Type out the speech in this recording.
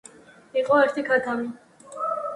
იყო ერთი ქათამი